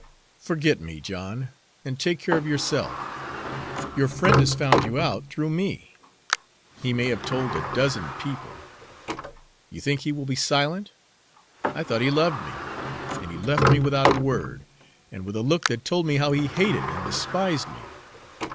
Forget me, John, and take care of yourself. Your friend has found you out through me he may have told a dozen people. You think he will be silent; I thought he loved me, and he left me without a word, and with a look that told me how he hated and despised me.